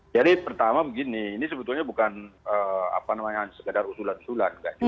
jadi pertama begini ini sebetulnya bukan sekadar usulan usulan